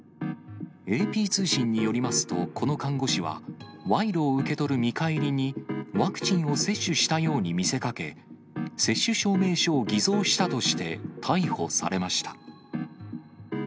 ＡＰ通信によりますと、この看護師は、賄賂を受け取る見返りに、ワクチンを接種したように見せかけ、接種証明書を偽造したとして、逮捕されました。